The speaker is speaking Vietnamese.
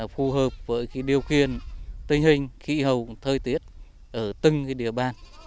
phù hợp với điều kiện tình hình khí hậu thời tiết ở từng địa bàn